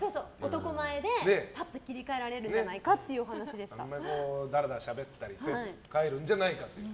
男前でパッと切り替えられるんじゃないかとのあんまりだらだらしゃべったりせず帰るんじゃないかという。